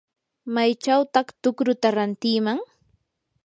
¿maychawtaq tukruta rantiman?